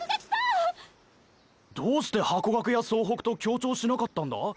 どうしてハコガクや総北と協調しなかったんだ？